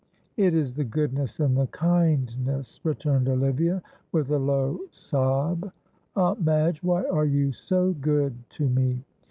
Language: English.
"It is the goodness and the kindness," returned Olivia, with a low sob. "Aunt Madge, why are you so good to me?